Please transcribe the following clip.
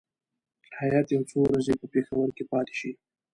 هیات یو څو ورځې په پېښور کې پاتې شي.